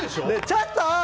ちょっと！